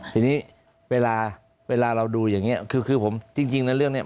ทีนี้เวลาเวลาเราดูอย่างนี้คือผมจริงนะเรื่องนี้